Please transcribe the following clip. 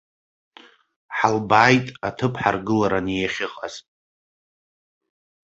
Ҳалбааит аҭыԥ ҳаргылараны иахьыҟаз.